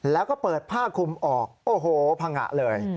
แล้วก็เปิดผ้าคุมออกโอ้โหพังงะเลย